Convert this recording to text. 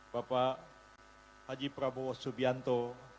bapak haji prabowo subianto